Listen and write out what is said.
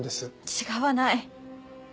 違わない！